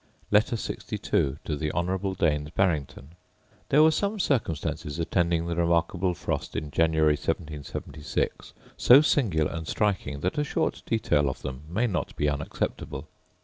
Letter LXII To The Honourable Daines Barrington There were some circumstances attending the remarkable frost in January 1776 so singular and striking, that a short detail of them may not be unacceptable.